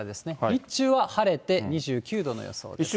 日中は晴れて、２９度の予想です。